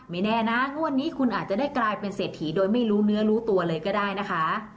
แน่นะงวดนี้คุณอาจจะได้กลายเป็นเศรษฐีโดยไม่รู้เนื้อรู้ตัวเลยก็ได้นะคะ